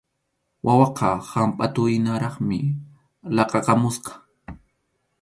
Wawaqa hampʼatuhinaraqmi laqʼakamusqa.